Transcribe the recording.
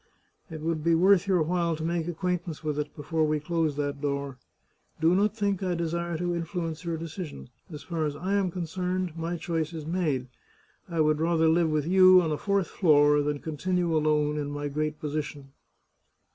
It would be worth your while to make acquaint ance with it before we close that door. Do not think I de sire to influence your decision. As far as I am concerned, my choice is made. I would rather live with you on a fourth floor than continue alone in my great position."